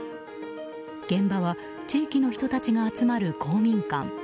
現場は地域の人たちが集まる公民館。